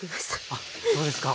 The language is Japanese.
あっそうですか。